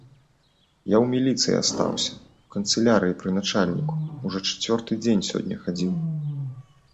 Я ў міліцыі астаўся, у канцылярыі пры начальніку, ужо чацвёрты дзень сёння хадзіў.